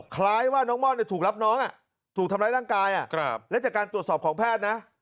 คล้ายว่าน้องม่อนถูกรับน้องถูกทำร้ายร่างกายและจากการตรวจสอบของแพทย์นะ